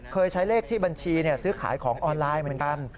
เคยใช้เลขที่บัญชีซื้อขายของออนไลน์เหมือนกัน